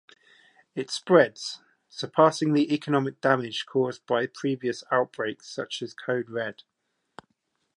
It spreads, surpassing the economic damage caused by previous outbreaks such as Code Red.